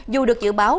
dù được dự báo